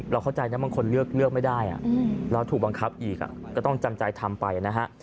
เข้าใจนะบางคนเลือกไม่ได้แล้วถูกบังคับอีกก็ต้องจำใจทำไปนะฮะ